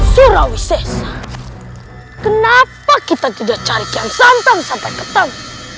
surawi sesa kenapa kita tidak cari kian santam sampai ketemu